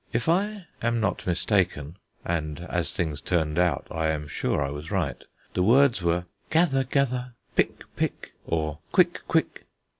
If I am not mistaken (and as things turned out I am sure I was right) the words were: Gather gather, pick pick, or quick quick.